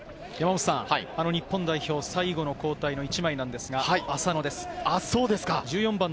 日本代表、最後の交代の１枚なんですが、浅野です。